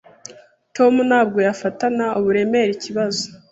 Tom ntabwo yafatana uburemere ikibazo.